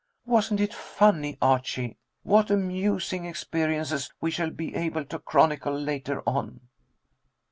Wasn't it funny, Archie? What amusing experiences we shall be able to chronicle, later on!"